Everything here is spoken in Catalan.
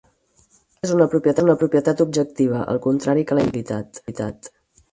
L'atzar és una propietat objectiva, al contrari que la impredictibilitat.